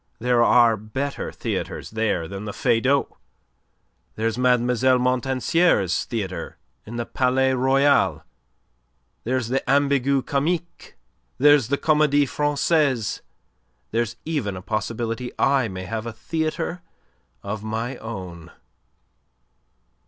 There are better theatres there than the Feydau. There's Mlle. Montansier's theatre in the Palais Royal; there's the Ambigu Comique; there's the Comedie Francaise; there's even a possibility I may have a theatre of my own."